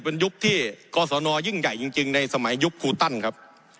เป็นยุคที่กศนยิ่งใหญ่จริงในสมัยยุคคูตันครับ